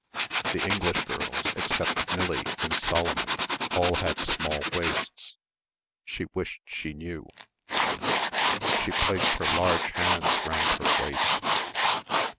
The English girls, except Millie and Solomon all had small waists. She wished she knew. She placed her large hands round her waist.